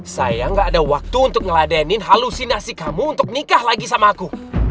saya gak ada waktu untuk ngeladenin halusinasi kamu untuk nikah lagi sama aku